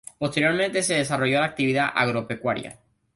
Posteriormente se desarrolló la actividad agropecuaria.